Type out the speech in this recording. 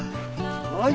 はい。